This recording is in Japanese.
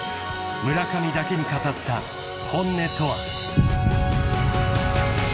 村上だけに語った本音とは］